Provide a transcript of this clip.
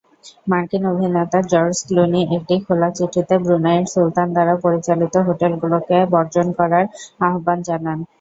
মার্কিন অভিনেতা George Clooney একটি খোলা চিঠিতে ব্রুনাইয়ের সুলতান দ্বারা পরিচালিত হোটেল গুলোকে বর্জন করার আহ্বান জানান।